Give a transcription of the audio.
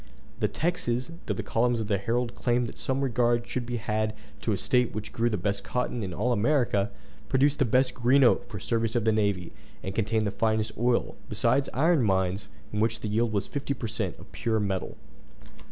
The Texans, through the columns of the Herald claimed that some regard should be had to a State which grew the best cotton in all America, produced the best green oak for the service of the navy, and contained the finest oil, besides iron mines, in which the yield was fifty per cent. of pure metal.